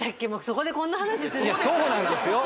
そこでこんな話そうなんですよ